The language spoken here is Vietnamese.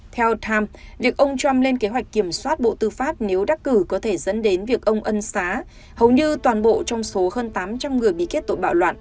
theo times việc ông trump lên kế hoạch kiểm soát bộ tư pháp nếu đắc cử có thể dẫn đến việc ông ân xá hầu như toàn bộ trong số hơn tám trăm linh người bị kết tội bạo loạn